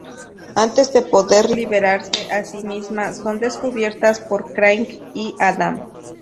Antes de poder liberarse a sí misma son descubiertas por Craig y Adam.